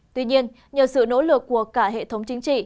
tuy nhiên nhờ sự nỗ lực của cả hệ thống chính trị